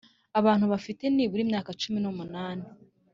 Abantu bafite nibura imyaka cumi n’umunani